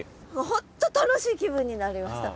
本当楽しい気分になりました。